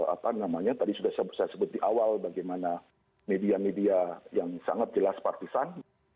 apa namanya tadi sudah saya sebut di awal bagaimana media media yang sangat jelas partisan